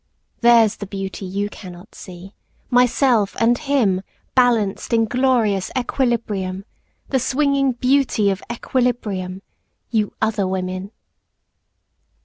There's the beauty you cannot see, myself and him Balanced in glorious equilibrium, The swinging beauty of equilibrium, You other women.